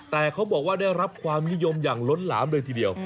แต่เขาบอกว่าได้รับความนิยมอย่างล้นหลามเลยทีเดียว